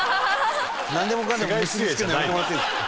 なんでもかんでも結びつけるのやめてもらっていいですか？